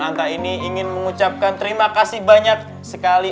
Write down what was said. angka ini ingin mengucapkan terima kasih banyak sekali